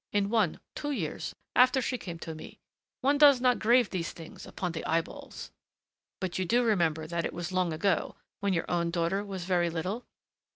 In one, two years after she came to me one does not grave these things upon the eyeballs." "But you do remember that it was long ago when your own daughter was very little?"